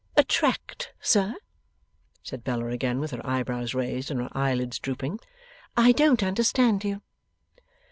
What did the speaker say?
'Attract, sir?' said Bella, again with her eyebrows raised, and her eyelids drooping. 'I don't understand you.